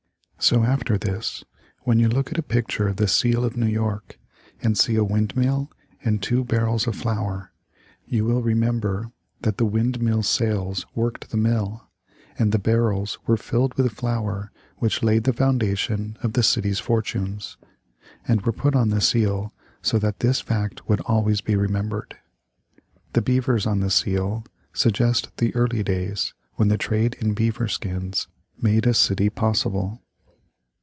So, after this, when you look at a picture of the Seal of New York, and see a windmill and two barrels of flour, you will remember that the windmill sails worked the mill, and the barrels were filled with flour which laid the foundation of the city's fortunes; and were put on the seal so that this fact would always be remembered. The beavers on the seal suggest the early days when the trade in beaver skins made a city possible.